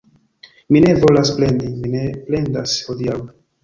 Mi ne volas plendi... Mi ne plendas hodiaŭ